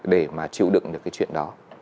để mà chịu đựng được cái chuyện đó